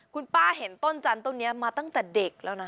คุณป้าเห็นต้นจันทร์ต้นนี้มาตั้งแต่เด็กแล้วนะ